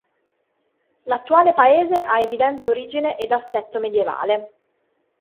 L'attuale paese ha evidente origine ed assetto medievale.